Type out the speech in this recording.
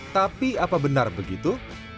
tapi apa benar begitu